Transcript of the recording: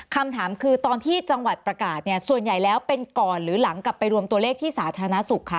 คำถามคือตอนที่จังหวัดประกาศเนี่ยส่วนใหญ่แล้วเป็นก่อนหรือหลังกลับไปรวมตัวเลขที่สาธารณสุขคะ